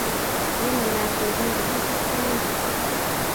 Miano lakwet ne go kisich ra ini?